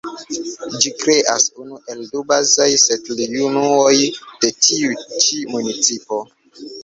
Ĝi kreas unu el du bazaj setlejunuoj de tiu ĉi municipo.